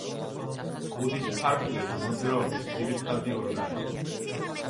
კუდის ფარფლები მოძრაობის ძირითადი ორგანოა.